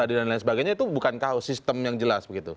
itu bukan kau sistem yang jelas begitu